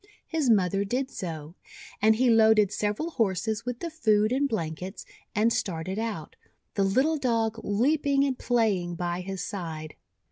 His mother did so; and he loaded several Horses with the food and blankets, and started out, the little Dog leaping and playing by his side.